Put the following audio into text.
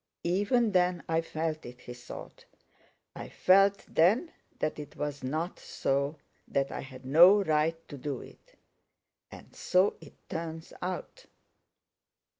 Even then I felt it," he thought. "I felt then that it was not so, that I had no right to do it. And so it turns out."